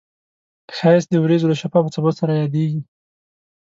ښایست د وریځو له شفافو څپو سره یادیږي